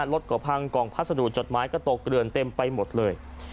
รถก็พังกล่องพัสดุจดหมายก็ตกเกลือนเต็มไปหมดเลย